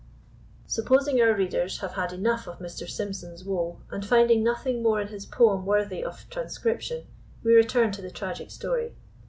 Supposing our readers have had enough of Mr. Symson's woe, and finding nothing more in his poem worthy of transcription, we return to the tragic story.